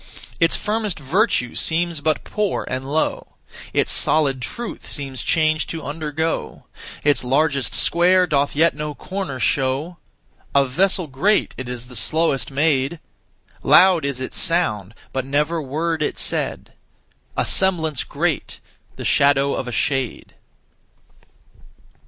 Its firmest virtue seems but poor and low; Its solid truth seems change to undergo; Its largest square doth yet no corner show A vessel great, it is the slowest made; Loud is its sound, but never word it said; A semblance great, the shadow of a shade.'